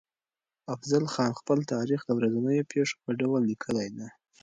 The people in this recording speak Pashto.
افضل خان خپل تاريخ د ورځنيو پېښو په ډول ليکلی دی.